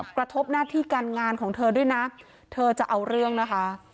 กระทบหน้าที่การงานของเธอด้วยนะเธอจะเอาเรื่องนะคะ